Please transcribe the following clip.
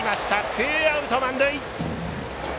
ツーアウト満塁。